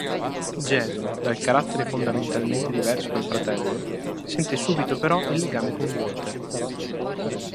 Jason, dal carattere fondamentalmente diverso dal fratello, sente subito però il legame con Walter.